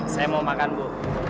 saya mau makan bu